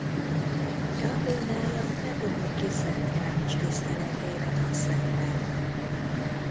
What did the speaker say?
Kápolnája Nepomuki Szent János tiszteletére van szentelve.